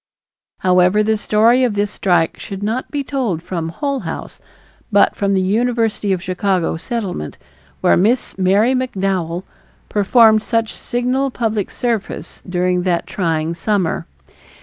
However, the story of this strike should not be told from Hull House, but from the University of Chicago Settlement, where Miss Mary McDowell performed such signal public service during that trying summer.